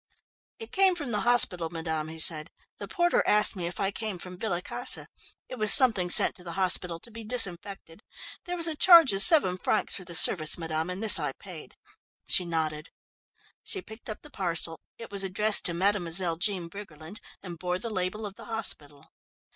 "It came from the hospital, madame," he said. "The porter asked me if I came from Villa Casa. It was something sent to the hospital to be disinfected. There was a charge of seven francs for the service, madame, and this I paid." She nodded. She picked up the parcel it was addressed to "Mademoiselle Jean Briggerland" and bore the label of the hospital.